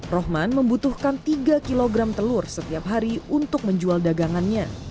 rohman membutuhkan tiga kg telur setiap hari untuk menjual dagangannya